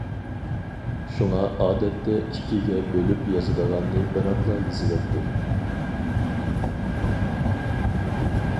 شۇڭا ئادەتتە ئىككىگە بۆلۈپ يازىدىغاننى بىراقلا يېزىۋەتتىم.